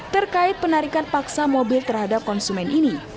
terkait penarikan paksa mobil terhadap konsumen ini